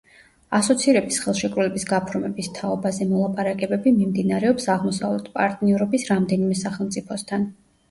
ასოცირების ხელშეკრულების გაფორმების თაობაზე მოლაპარაკებები მიმდინარეობს აღმოსავლეთ პარტნიორობის რამდენიმე სახელმწიფოსთან.